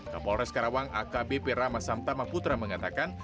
kapolres karawang akbp ramasamtama putra mengatakan